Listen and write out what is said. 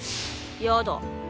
やだ。